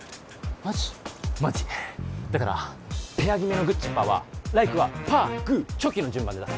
マジだからペア決めのグッチッパーは来玖はパーグーチョキの順番で出せ